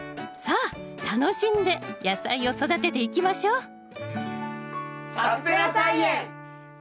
さあ楽しんで野菜を育てていきましょう！